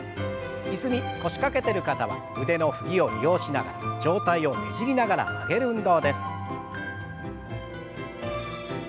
椅子に腰掛けてる方は腕の振りを利用しながら上体をねじりながら曲げる運動です。